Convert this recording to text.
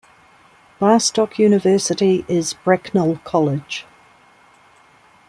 Barstock University is Bracknell College.